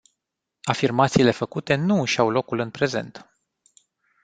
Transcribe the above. Afirmațiile făcute nu își au locul în prezent.